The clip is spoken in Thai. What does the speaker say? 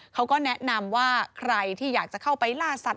เขาก็แนะนำว่าใครที่อยากจะเข้าไปล่าสัตว